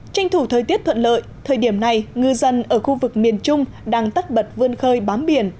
tranh thủ thời tiết thuận lợi thời điểm này ngư dân ở khu vực miền trung đang tắt bật vươn khơi bám biển